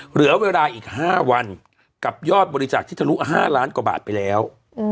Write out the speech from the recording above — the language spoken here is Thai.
เหลือเวลาอีก๕วันกับยอดบริจาคที่ทะลุ๕ล้านกว่าบาทไปแล้ว